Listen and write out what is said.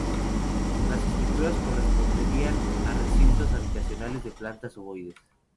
Las estructuras corresponderían a recintos habitacionales de plantas ovoides.